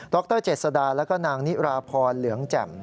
ดรเจษฎาและนางนิราพรเหลืองแจ่ม